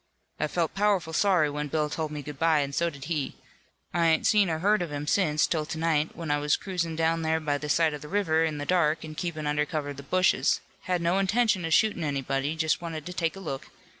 "I felt powerful sorry when Bill told me good bye, and so did he. I ain't seen or heard of him since 'till to night, when I was cruisin' down there by the side of the river in the dark an' keepin' under cover of the bushes. Had no intention of shootin' anybody. Just wanted to take a look.